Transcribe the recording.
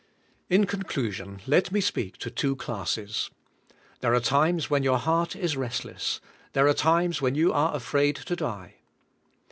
In conclusion let me speak to two classes. There are times when your heart is restless; there are times when you are afraid to die.